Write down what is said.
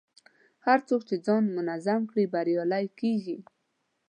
هر څوک چې ځان منظم کړي، بریالی کېږي.